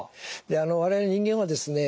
我々人間はですね